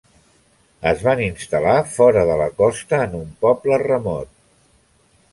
Es van instal·lar fora de la costa en un poble remot.